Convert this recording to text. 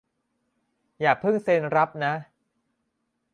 อย่าเพิ่งเซ็นรับนะ